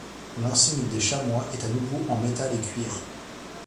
L'insigne des Chamois est à nouveau en métal et cuir.